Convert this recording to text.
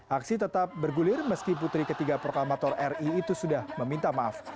aksi tetap bergulir meski putri ketiga proklamator ri itu sudah meminta maaf